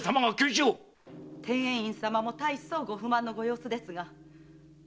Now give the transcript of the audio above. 天英院様も大層ご不満のご様子ですが何しろ